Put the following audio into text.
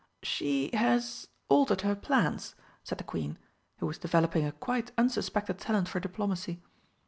"She has altered her plans," said the Queen, who was developing a quite unsuspected talent for diplomacy.